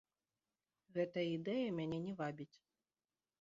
Гэтая ідэя мяне не вабіць.